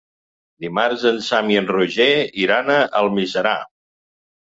Dimarts en Sam i en Roger iran a Almiserà.